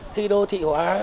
khi đô thị hóa